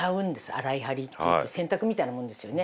洗い張りっていって洗濯みたいなものですよね。